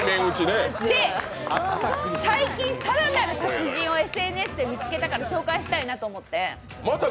で、最近更なる達人をＳＮＳで見つけたから紹介したいなと思って。